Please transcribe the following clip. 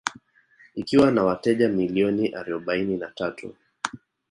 Ikiwa na wateja milioni arobaini na tatu